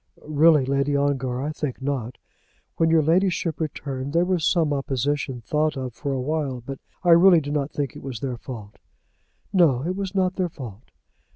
"Really, Lady Ongar, I think not. When your ladyship returned there was some opposition thought of for a while, but I really do not think it was their fault." "No; it was not their fault."